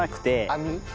網？